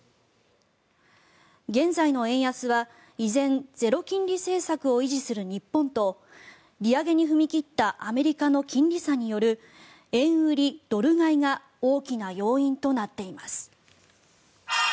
現在の円安は依然ゼロ金利政策を維持する日本と利上げに踏み切ったアメリカの金利差による円売り・ドル買いが大きな要因となっています。